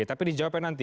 tapi dijawabkan nanti